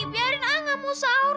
biarin ah nggak mau sahur